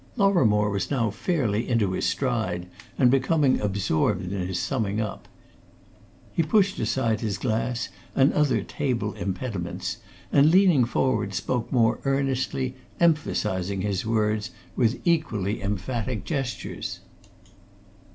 Lorrimore was now fairly into his stride, and becoming absorbed in his summing up. He pushed aside his glass and other table impediments, and leaning forward spoke more earnestly, emphasising his words with equally emphatic gestures.